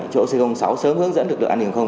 chỗ c sáu sớm hướng dẫn được đoạn hiểm không